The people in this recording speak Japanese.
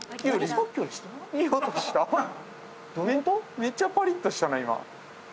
めっちゃパリッとしたな今。